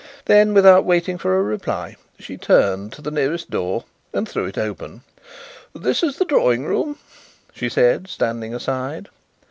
Then, without waiting for a reply, she turned to the nearest door and threw it open. "This is the drawing room," she said, standing aside.